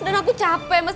dan aku capek mas